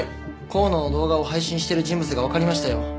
香野の動画を配信してる人物がわかりましたよ。